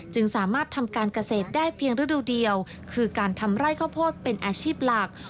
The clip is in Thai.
จึงสามารถทำการเกษตรได้เพียงฤดูเดียวคือการทำไร่ข้าวโพดเป็นอาชีพหลัก